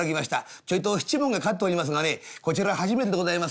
ちょいと七文かかっておりますがねこちら初めてでございます。